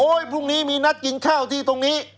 พรุ่งนี้มีนัดกินข้าวที่ตรงนี้